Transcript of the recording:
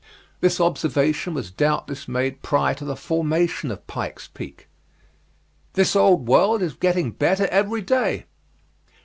This observation was doubtless made prior to the formation of Pike's Peak. "This old world is getting better every day."